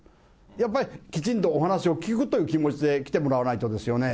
やっぱりきちんとお話を聞くという気持ちで来てもらわないとですよね。